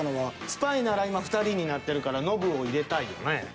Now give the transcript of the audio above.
スパイなら今２人になってるからノブを入れたいよね。